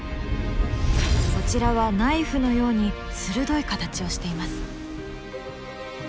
こちらはナイフのように鋭い形をしています。